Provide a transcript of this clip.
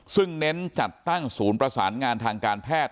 ซึ่งเน้นจัดตั้งศูนย์ประสานงานทางการแพทย์